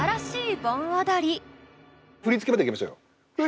振り付けまでいきましょうよ。